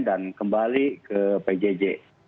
dan kembali ke pjj